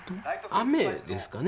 雨ですかね？